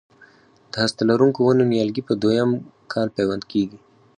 د هسته لرونکو ونو نیالګي په دوه یم کال پیوند کېږي.